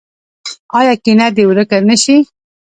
آیا کینه دې ورک نشي؟